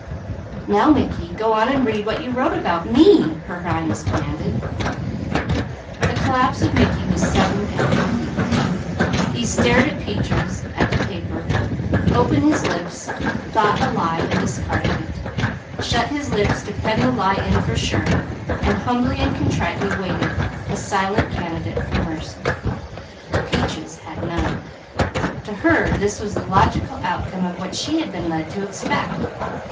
"Now Mickey, go on and read what you wrote about me," her Highness commanded. The collapse of Mickey was sudden and complete. He stared at Peaches, at the paper, opened his lips, thought a lie and discarded it, shut his lips to pen the lie in for sure, and humbly and contritely waited, a silent candidate for mercy. Peaches had none. To her this was the logical outcome of what she had been led to expect.